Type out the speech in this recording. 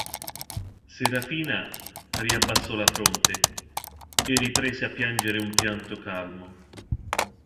Serafina riabbassò la fronte, e riprese a piangere un pianto calmo.